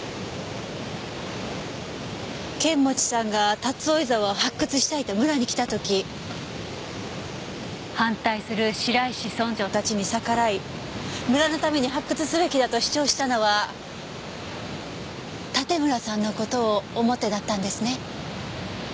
剣持さんが竜追沢を発掘したいと村に来た時反対する白石村長たちに逆らい村のために発掘すべきだと主張したのは盾村さんの事を思ってだったんですね。